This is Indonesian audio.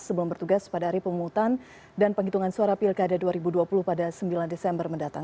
sebelum bertugas pada hari pemungutan dan penghitungan suara pilkada dua ribu dua puluh pada sembilan desember mendatang